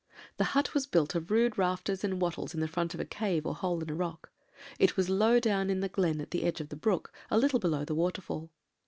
The hut was built of rude rafters and wattles in the front of a cave or hole in a rock; it was down low in the glen at the edge of the brook, a little below the waterfall.